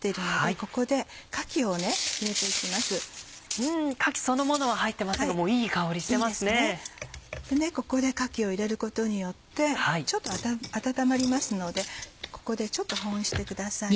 ここでかきを入れることによってちょっと温まりますのでここで保温してください。